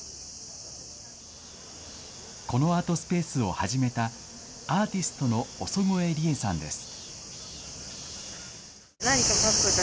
このアートスペースを始めた、アーティストの尾曽越理恵さんです。